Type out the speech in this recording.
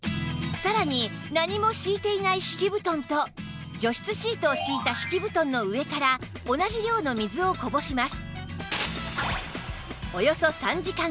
さらに何も敷いていない敷布団と除湿シートを敷いた敷布団の上から同じ量の水をこぼします